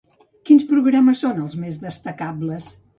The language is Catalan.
Quins programes són els més destacables?